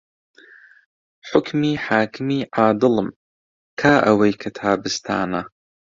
حوکمی حاکمی عادڵم کا ئەوەی کە تابستانە